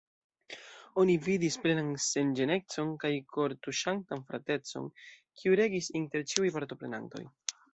Oni vidis plenan senĝenecon kaj kortuŝantan fratecon, kiu regis inter ĉiuj partoprenantoj.